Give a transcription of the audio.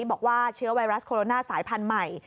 บอกว่าเชื้อไวรัสโคโรนาสายพันธุ์ใหม่